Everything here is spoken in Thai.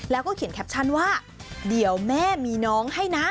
แล้วก็เขียนแคปชั่นว่าเดี๋ยวแม่มีน้องให้นะ